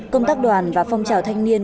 công tác đoàn và phong trào thanh niên